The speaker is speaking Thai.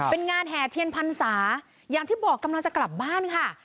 เป็นงานแห่เทียนพรรษาอย่างที่บอกกำลังจะกลับบ้านค่ะ